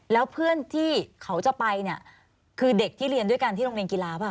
แล้วเพื่อนที่เขาจะไปเนี่ยคือเด็กที่เรียนด้วยกันที่โรงเรียนกีฬาป่ะ